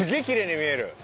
きれいに見える。